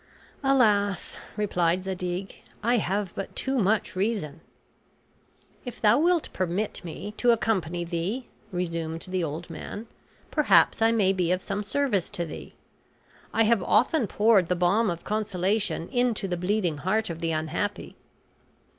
"Alas," replied Zadig, "I have but too much reason." "If thou wilt permit me to accompany thee," resumed the old man, "perhaps I may be of some service to thee. I have often poured the balm of consolation into the bleeding heart of the unhappy."